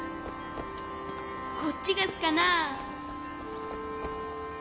こっちがすかな？